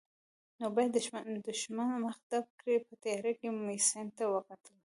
نو باید د دښمن مخه ډب کړي، په تیارې کې مې سیند ته وکتل.